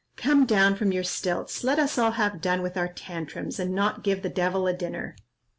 Come down from your stilts, let us all have done with our tantrums, and not give the devil a dinner."